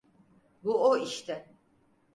Bu o işte.